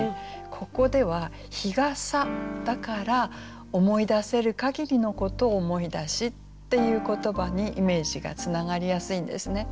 ここでは「日傘」だから「思い出せるかぎりのことを思い出し」っていう言葉にイメージがつながりやすいんですね。